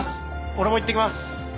俺も行ってきます！